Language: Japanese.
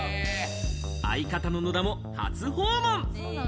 相方の野田も初訪問。